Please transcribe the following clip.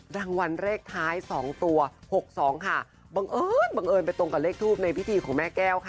รางวัลเลขท้าย๒ตัว๖๒ค่ะบังเอิญบังเอิญไปตรงกับเลขทูปในพิธีของแม่แก้วค่ะ